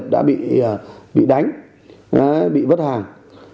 chúng ta đã bị đánh bị vất hàng